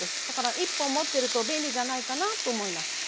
だから１本持ってると便利じゃないかなと思います。